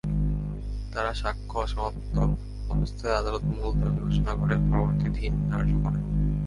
তাঁর সাক্ষ্য অসমাপ্ত অবস্থায় আদালত মুলতবি ঘোষণা করে পরবর্তী দিন ধার্য করেন।